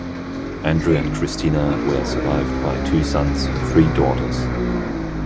Andrew and Christina were survived by two sons and three daughters.